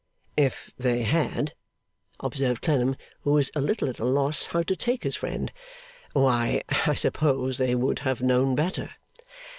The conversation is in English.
'If they had,' observed Clennam, who was a little at a loss how to take his friend, 'why, I suppose they would have known better.